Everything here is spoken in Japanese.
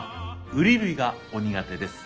ウリ類がお苦手です。